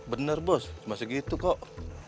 bener bos cuma segitu kok